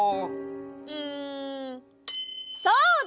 うんそうだ！